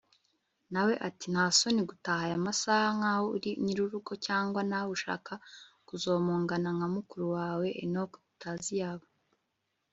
nawe ati ntasoni gutaha aya masaha nkaho uri nyirurugo, cyangwa nawe urashaka kuzomongana nka mukuru wawe enock tutazi iyaba!